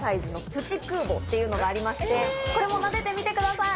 っていうのがありましてこれもなでてみてください。